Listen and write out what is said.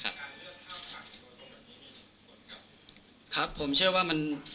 ครับการเลือกข้ามฝั่งตัวตรงแบบนี้มีผลครับครับผมเชื่อว่ามัน